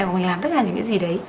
hoặc là mình làm tất cả những cái gì